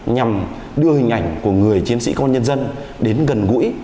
nhằm đưa hình ảnh của người chiến sĩ công an nhân dân đến gần gũi